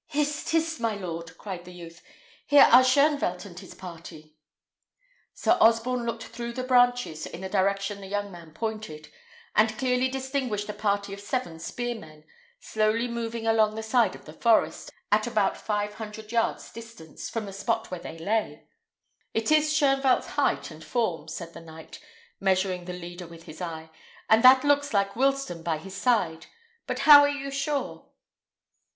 "Hist, hist! my lord," cried the youth; "here are Shoenvelt and his party." Sir Osborne looked through the branches in the direction the young man pointed, and clearly distinguished a party of seven spearmen, slowly moving along the side of the forest, at about five hundred yards' distance from the spot where they lay. "It is Shoenvelt's height and form," said the knight, measuring the leader with his eye, "and that looks like Wilsten by his side; but how are you sure?"